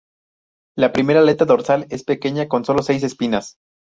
La primera aleta dorsal es pequeña, con sólo seis espinas.